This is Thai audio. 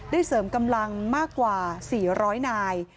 เสริมกำลังมากกว่า๔๐๐นาย